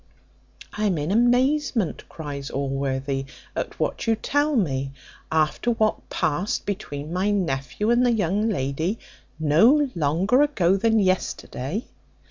"I am in amazement," cries Allworthy, "at what you tell me, after what passed between my nephew and the young lady no longer ago than yesterday."